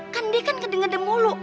kan dia kan keding gede mulu